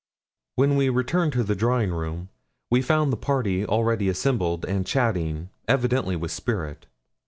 When we returned to the drawing room, we found the party already assembled, and chatting, evidently with spirit.